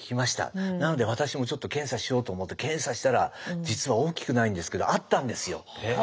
なので私もちょっと検査しようと思って検査したら実は大きくないんですけどあったんですよ。